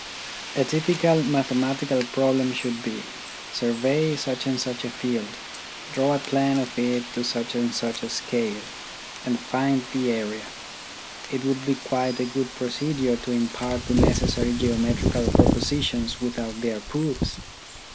A typical mathematical problem should be : Survey such and such a field, draw a plan of it to such and such a scale, and find the area. It would be quite a good procedure to impart the necessary geometrical propositions without their proofs.